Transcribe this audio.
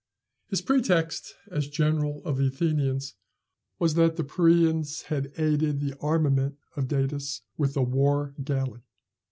His pretext, as general of the Athenians, was, that the Parians had aided the armament, of Datis with a war galley.